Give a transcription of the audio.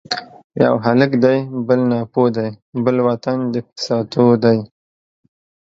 یو هلک دی بل ناپوه دی ـ بل وطن د فساتو دی